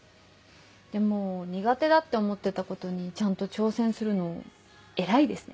でも苦手だって思ってたことにちゃんと挑戦するの偉いですね。